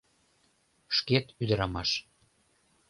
Шкет ӱдырамаш.